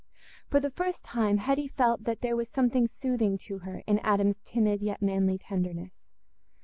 For the first time Hetty felt that there was something soothing to her in Adam's timid yet manly tenderness.